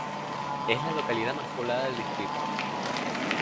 Es la localidad más poblada del distrito.